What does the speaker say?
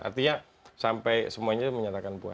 artinya sampai semuanya menyatukan